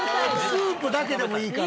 スープだけでもいいから。